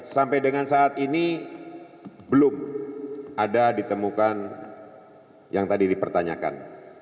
sampai dengan saat ini belum ada ditemukan yang tadi dipertanyakan